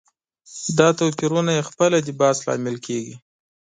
دا توپيرونه یې خپله کې د بحث لامل کېږي.